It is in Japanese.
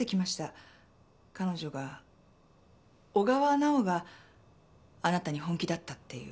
彼女が小川奈緒があなたに本気だったっていう。